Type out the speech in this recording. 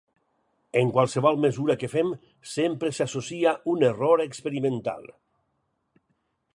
En qualsevol mesura que fem, sempre s'associa un error experimental.